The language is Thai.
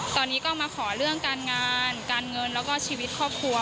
ตอนนี้ก็มาขอเรื่องการงานการเงินแล้วก็ชีวิตครอบครัว